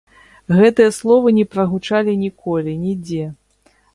Гэтыя словы не прагучалі ніколі, нідзе.